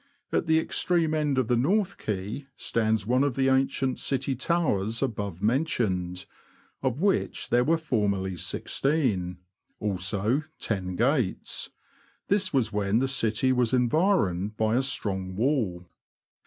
At the extreme end of the North Quay stands one of the ancient city towers above mentioned, of which there were formerly sixteen, also ten gates ; this was when the City was environed by a strong wall.